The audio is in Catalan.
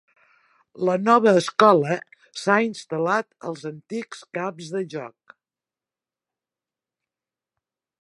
La nova escola s'ha instal·lat als antics camps de joc.